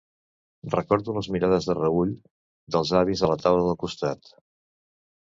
Recordo les mirades de reüll dels avis de la taula del costat.